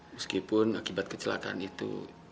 meskipun akibat kecelakaan itu